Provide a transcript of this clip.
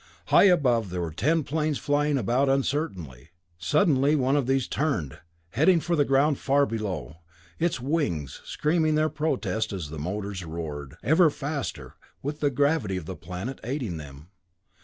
High above there were ten planes flying about uncertainly. Suddenly one of these turned, heading for the ground far below, its wings screaming their protest as the motors roared, ever faster, with the gravity of the planet aiding them.